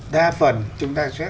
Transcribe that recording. đa phần chúng ta sẽ